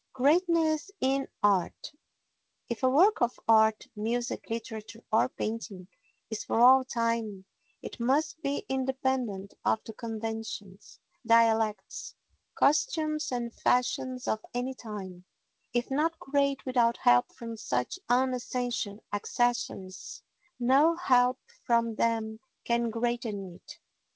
Greatness in Art If a work of art—music, literature or painting—is for all time, it must be independent of the conventions, dialects, costumes and fashions of any time; if not great without help from such unessential accessories, no help from them can greaten it.